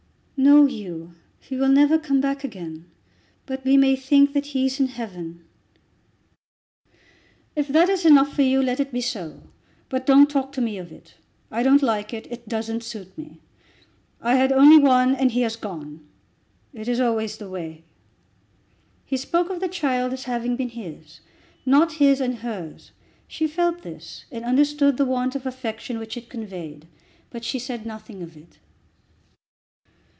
"No, Hugh; he will never come back again; but we may think that he's in Heaven." "If that is enough for you, let it be so. But don't talk to me of it. I don't like it. It doesn't suit me. I had only one, and he has gone. It is always the way." He spoke of the child as having been his not his and hers. She felt this, and understood the want of affection which it conveyed; but she said nothing of it.